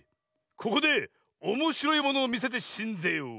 ここでおもしろいものをみせてしんぜよう。